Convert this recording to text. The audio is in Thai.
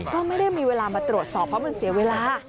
ก็ไม่ได้มีเวลามาตรวจสอบเพราะมันเสียเวลา